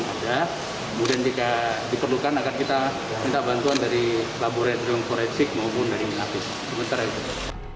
kemudian jika diperlukan akan kita minta bantuan dari laboratorium forensik maupun dari milik